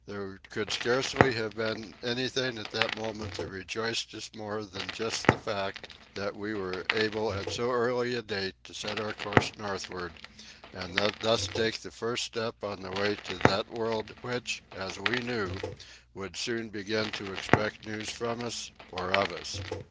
There could scarcely have been anything at that moment that rejoiced us more than just that fact, that we were able at so early a date to set our course northward and thus take the first step on the way to that world which, as we knew, would soon begin to expect news from us, or of us.